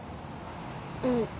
うん。